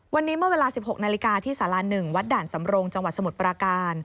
วันนี้เมื่อเวลา๑๖นาฬิกาที่สารา๑วัดด่านสำรงจังหวัดสมุทรปราการ